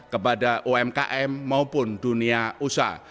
kepada umkm maupun dunia usaha